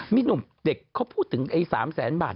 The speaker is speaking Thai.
มีหนุ่มเด็กเขาพูดถึงไอ้๓แสนบาท